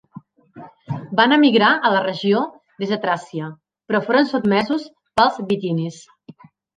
Van emigrar a la regió des de Tràcia, però foren sotmesos pels bitinis.